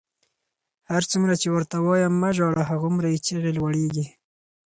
هرڅومره چې ورته وایم مه ژاړه، هغومره یې چیغې لوړېږي.